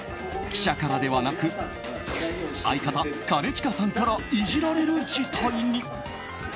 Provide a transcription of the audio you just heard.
記者からではなく相方・兼近さんからイジられる事態に。